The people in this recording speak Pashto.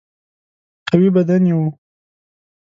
قوي بدن یې وو.